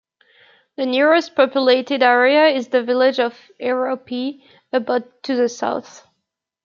The nearest populated area is the village of Eoropie, about to the south.